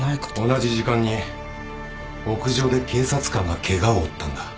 同じ時間に屋上で警察官がケガを負ったんだ。